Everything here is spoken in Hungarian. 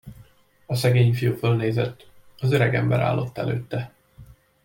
A szegény fiú fölnézett: az öregember állott előtte.